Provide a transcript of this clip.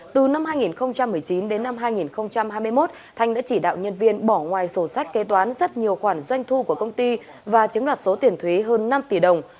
từ năm hai nghìn một mươi chín đến năm hai nghìn hai mươi một thanh đã chỉ đạo nhân viên bỏ ngoài sổ sách kế toán rất nhiều khoản doanh thu của công ty và chiếm đoạt số tiền thuế hơn năm tỷ đồng